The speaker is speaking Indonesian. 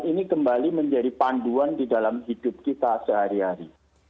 ini kembali menjadi panduan di dalam hidup kita sehari hari